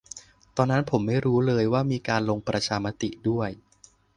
ตอนนั้นผมไม่รู้เลยว่ามีการลงประชามติด้วย